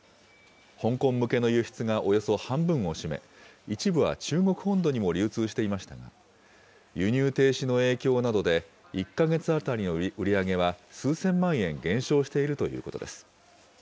香港向けの輸出がおよそ半分を占め、一部は中国本土にも流通していましたが、輸入停止の影響などで、１か月当たりの売り上げは数千万円減少しているということです。